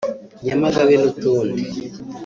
Nyamagabe n’utundi